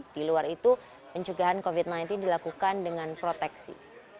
di luar itu pencegahan covid sembilan belas dilakukan dengan proteksi